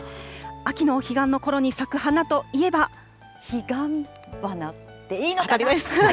秋のお彼岸のころに咲く花といえヒガンバナでいいのかな？